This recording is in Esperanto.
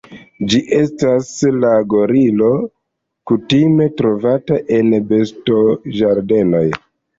Ĝi estas la gorilo kutime trovata en bestoĝardenoj.